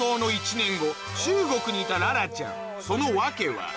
その訳は？